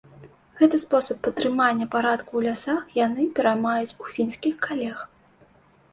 Гэты спосаб падтрымання парадку ў лясах яны пераймаюць у фінскіх калег.